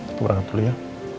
aku berangkat dulu ya